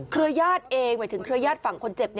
ญาติเองหมายถึงเครือญาติฝั่งคนเจ็บ